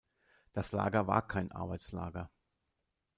Das Lager war kein Arbeitslager.